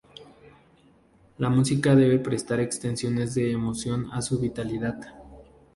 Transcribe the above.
La música debe prestar expresiones de emoción a su vitalidad.